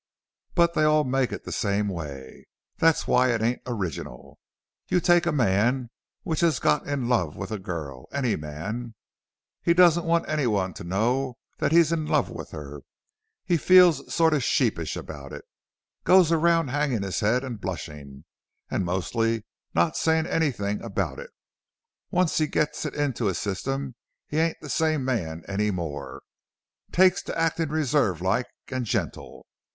But they all make it the same way. That's why it ain't original. You take a man which has got in love with a girl any man. He don't want anyone to know that he's in love with her he feels sorta sheepish about it. Goes around hangin' his head an' blushin', an' mostly not sayin' anything about it. Once he gets it into his system he ain't the same man any more. Takes to actin' reserved like an' gentle.